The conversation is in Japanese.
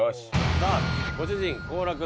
さあご主人幸楽の